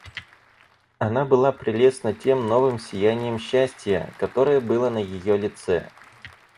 Она была прелестна тем новым сиянием счастия, которое было на ее лице.